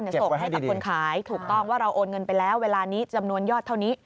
ส่งให้กับคนขายถูกต้องว่าเราโอนเงินไปแล้วเวลานี้จำนวนยอดเท่านี้